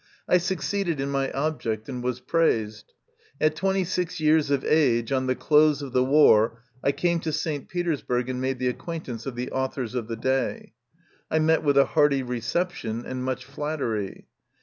I succeeded in my object, and was 'J praised. At twejitjz=ix years of age, on the close of the war, I came to St. Petersburg and made the acquaintance of the authors of the day. I met with a hearty reception and much flattery.